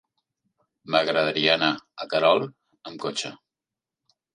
M'agradaria anar a Querol amb cotxe.